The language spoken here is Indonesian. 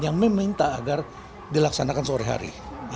yang meminta agar dilaksanakan sore hari